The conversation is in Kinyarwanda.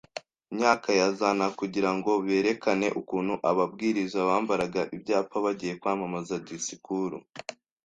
myaka ya za na kugira ngo berekane ukuntu ababwiriza bambaraga ibyapa bagiye kwamamaza disikuru